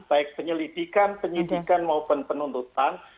baik penyelidikan penyidikan maupun penuntutan